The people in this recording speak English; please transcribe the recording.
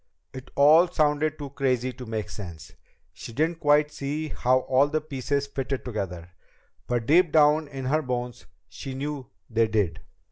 It all sounded too crazy to make sense. She didn't quite see how all the pieces fitted together. But deep down in her bones she knew they did!